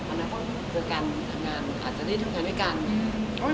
อันนั้นก็คือการทำงานอาจจะได้ทำงานด้วยกัน